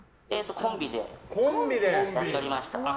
コンビでやっておりました。